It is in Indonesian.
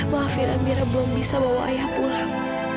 maafin amirah belum bisa bawa ayah pulang